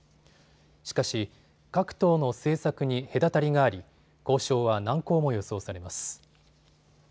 しかし各党の政策に隔たりがあり、交渉は難航も予想されます。